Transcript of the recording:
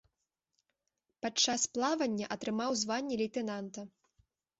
Падчас плавання атрымаў званне лейтэнанта.